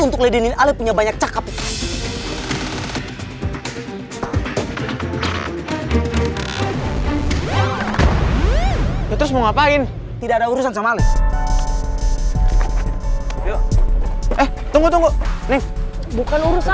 neng ini udah mau masuk kelas